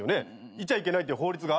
いちゃいけないって法律が。